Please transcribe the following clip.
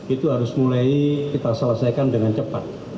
itu harus mulai kita selesaikan dengan cepat